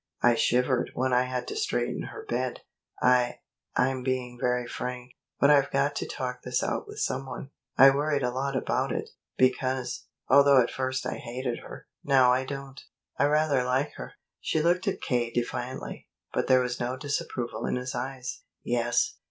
I shivered when I had to straighten her bed. I I'm being very frank, but I've got to talk this out with someone. I worried a lot about it, because, although at first I hated her, now I don't. I rather like her." She looked at K. defiantly, but there was no disapproval in his eyes. "Yes."